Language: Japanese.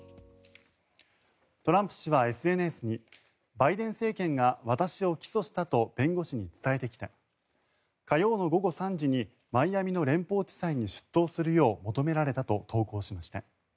トランプ氏はＳＮＳにバイデン政権が私を起訴したと弁護士に伝えてきた火曜の午後３時にマイアミの連邦地裁に出頭するよう求められたと投稿しました。